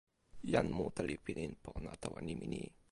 jan mute li pilin pona tawa nimi ni.